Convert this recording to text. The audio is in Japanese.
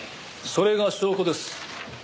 それが証拠です。